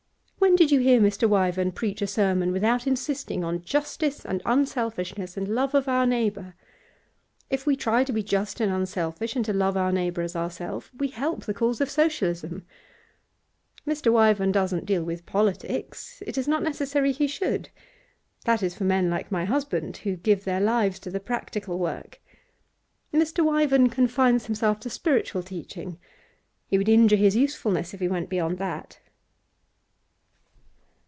When did you hear Mr. Wyvern preach a sermon without insisting on justice and unselfishness and love of our neighbour? If we try to be just and unselfish, and to love our neighbour as ourself, we help the cause of Socialism. Mr. Wyvern doesn't deal with politics it is not necessary he should. That is for men like my husband, who give their lives to the practical work. Mr. Wyvern confines himself to spiritual teaching. He would injure his usefulness if he went beyond that.